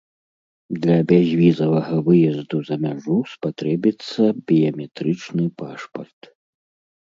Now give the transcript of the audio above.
Для бязвізавага выезду за мяжу спатрэбіцца біяметрычны пашпарт.